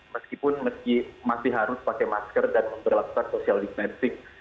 meskipun masih harus pakai masker dan berlaku sosial defensif